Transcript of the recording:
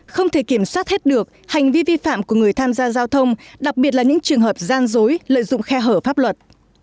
không thể kiểm soát hết được hành vi vi phạm của người tham gia giao thông đặc biệt là những trường hợp gian dối lợi dụng khe hở pháp luật